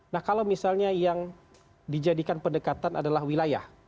nah kalau misalnya yang dijadikan pendekatan adalah wilayah